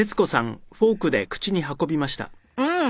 うん！